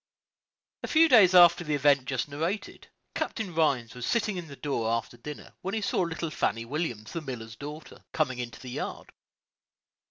A few days after the event just narrated, Captain Rhines was sitting in the door after dinner, when he saw little Fannie Williams, the miller's daughter, coming into the yard.